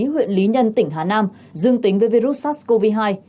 huyện lý nhân tỉnh hà nam dương tính với virus sars cov hai